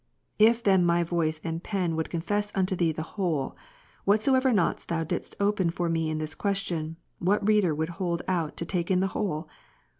— If then my voice and pen would confess unto Thee the whole, whatsoever knots Thou didst open for me in this question, what reader would hold out to take in the whole